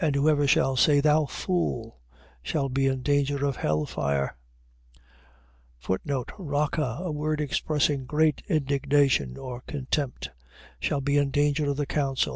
And whosoever shall say, Thou fool, shall be in danger of hell fire. Raca. . .A word expressing great indignation or contempt. Shall be in danger of the council.